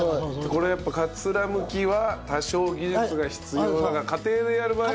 これやっぱ桂むきは多少技術が必要だから家庭でやる場合は。